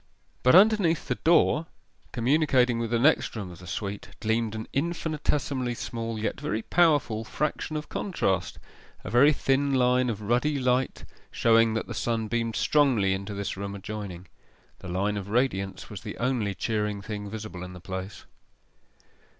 But underneath the door, communicating with the next room of the suite, gleamed an infinitesimally small, yet very powerful, fraction of contrast a very thin line of ruddy light, showing that the sun beamed strongly into this room adjoining. The line of radiance was the only cheering thing visible in the place.